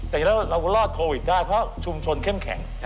แต่จริงแล้วเรารอดโควิดได้เพราะชุมชนเข้มแข็ง